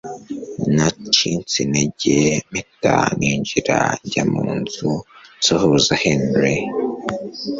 nacitsintege mpita ninjira njya munzu nsuhuza Henry